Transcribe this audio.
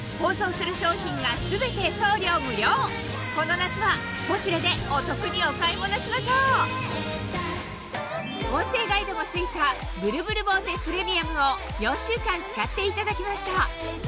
さらにこの夏は『ポシュレ』でお得にお買い物しましょう音声ガイドも付いたブルブルボーテプレミアムを４週間使っていただきました